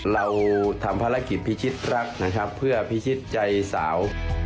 เราทำภารกิจพิชิตรักนะครับเพื่อพิชิตใจสาว